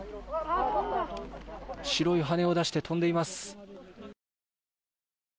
白い羽を出して飛んでいます！